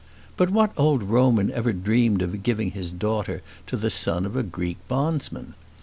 But what old Roman ever dreamed of giving his daughter to the son of a Greek bondsman!